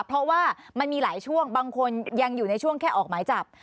เพราะว่ามันมีหลายช่วงบางคนยังอยู่ในช่วงแค่ออกหมายจับ